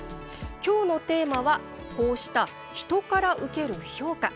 今日のテーマはこうした、人から受ける評価。